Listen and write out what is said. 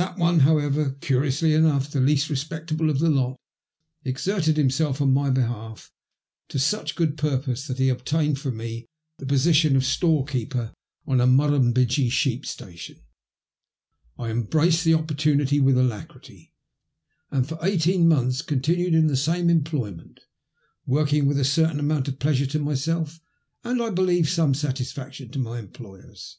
6 one, however, curionsly enough the least respectable of the lot, exerted himself on my behalf to such good purpose that he obtained for me the position of storekeeper on a Murrumbidgee sheep station. I embraced the opportunity with alacrity, and for eighteen months continued in the same employment, working with a certain amount of pleasure to myself, and, I believe, some satisfaction to my employers.